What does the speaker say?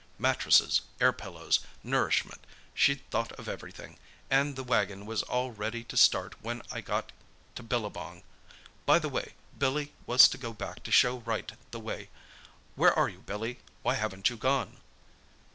Mattresses, air pillows, nourishment—she'd thought of everything, and the wagon was all ready to start when I got to Billabong. By the way, Billy was to go back to show Wright the way. Where are you, Billy? Why haven't you gone?"